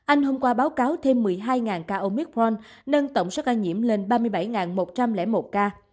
anh hôm qua báo cáo thêm một mươi hai ca omith voron nâng tổng số ca nhiễm lên ba mươi bảy một trăm linh một ca